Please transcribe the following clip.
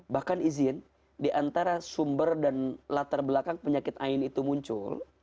bahkan izin diantara sumber dan latar belakang penyakit ain itu muncul